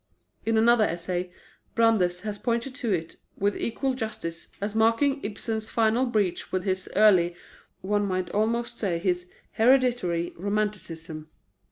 In another essay, Brandes has pointed to it, with equal justice, as marking Ibsen's final breach with his early one might almost say his hereditary romanticism.